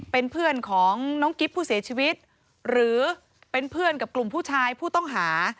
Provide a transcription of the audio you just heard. เป็นเพื่อนของน้องกิ๊บผู้เสียชีวิตหรือเป็นเพื่อนกับกลุ่มผู้ชายผู้ต้องหา